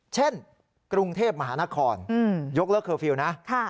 เช่นกรุงเทพมหานครยกเลิกเคอร์ฟิลล์นะ